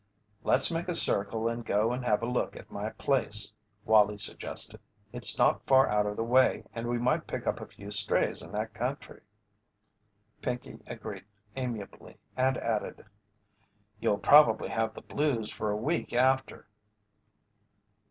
"Let's make a circle and go and have a look at my place," Wallie suggested. "It's not far out of the way and we might pick up a few strays in that country." Pinkey agreed amiably and added: "You'll prob'ly have the blues for a week after."